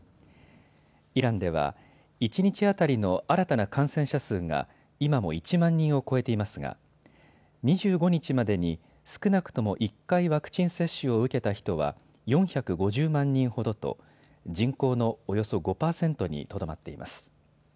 イランでは一日当たりの新たな感染者数が今も１万人を超えていますが２５日までに少なくとも１回ワクチン接種を受けた人は４５０万人ほどと人口のおよそ５％にとどまっています。